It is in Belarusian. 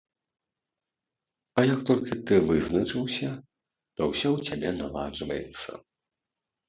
А як толькі ты вызначыўся, то ўсё ў цябе наладжваецца.